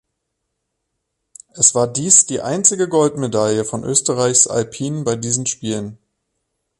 Es war dies die einzige Goldmedaille von Österreichs Alpinen bei diesen Spielen.